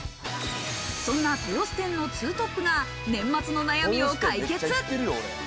そんな豊洲店のツートップが年末の悩みを解決。